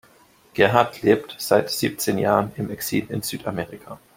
Gerhard lebt seit siebzehn Jahren im Exil in Südamerika.